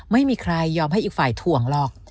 ไม่ยอมให้อีกฝ่ายถ่วงหรอก